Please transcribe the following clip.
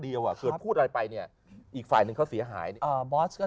เดียวว่าเกิดพูดอะไรไปเนี่ยอีกฝ่ายนึงเขาเสียหายบอสก็